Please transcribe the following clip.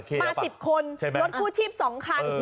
ในการจับจาระเข้แล้วป่ะใช่ไหมป่าสิบคนรถกู้ชีพสองคัน